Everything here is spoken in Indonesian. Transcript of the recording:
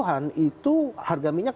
delapan puluh an itu harga minyak